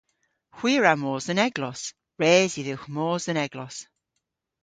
Hwi a wra mos dhe'n eglos. Res yw dhywgh mos dhe'n eglos.